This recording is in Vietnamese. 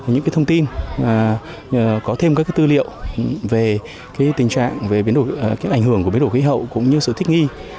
những thông tin có thêm các tư liệu về tình trạng ảnh hưởng của biến đổi khí hậu cũng như sự thích nghi